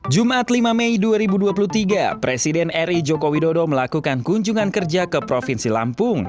jumat lima mei dua ribu dua puluh tiga presiden r i jokowi dodo melakukan kunjungan kerja ke provinsi lampung